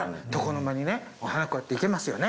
花をこうやって生けますよね。